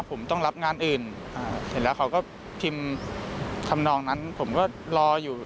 ผมต้องรับงานอื่นเห็นแล้วเขาก็พิมพ์ทำนองนั้นผมก็รออยู่